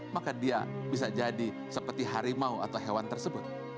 maka dia bisa jadi seperti harimau atau hewan tersebut